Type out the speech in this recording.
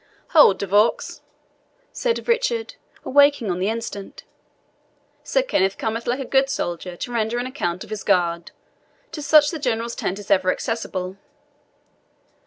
"Hold! De Vaux," said Richard, awaking on the instant; "Sir Kenneth cometh like a good soldier to render an account of his guard. To such the general's tent is ever accessible."